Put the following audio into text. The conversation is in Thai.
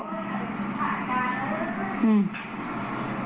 อื้ม